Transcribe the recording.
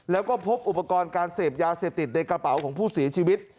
แล้วก็พบอุปกรณ์การเสพยาเสพติดในกระเป๋าของผู้เสียชีวิต